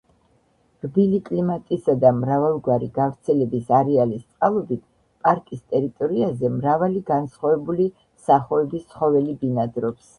რბილი კლიმატისა და მრავალგვარი გავრცელების არეალის წყალობით, პარკის ტერიტორიაზე მრავალი განსხვავებული სახოების ცხოველი ბინადრობს.